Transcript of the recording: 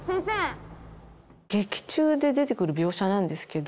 劇中で出てくる描写なんですけど。